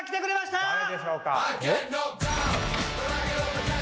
誰でしょうか。